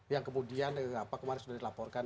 yang kemudian pak kumaris sudah dilaporkan